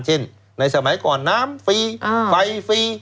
ในสมัยก่อนน้ำฟรีไฟฟรี